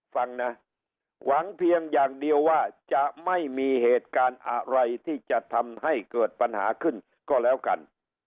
ฟังนะหวังเพียงอย่างเดียวว่าจะไม่มีเหตุการณ์อะไรที่จะทำให้เกิดปัญหาขึ้นก็แล้วกัน